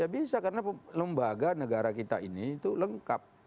ya bisa karena lembaga negara kita ini itu lengkap